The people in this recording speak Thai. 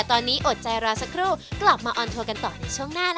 โปรดติดตามตอนต่อไป